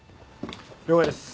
了解です。